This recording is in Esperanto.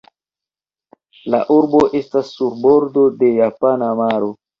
La urbo estas sur bordo de Japana maro.